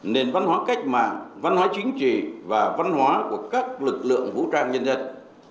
nền văn hóa cách mạng văn hóa chính trị và văn hóa của các lực lượng vũ trang nhân dân